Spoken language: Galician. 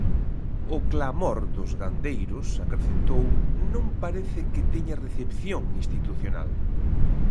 "O clamor" dos gandeiros, acrecentou, "non parece que teña recepción" institucional.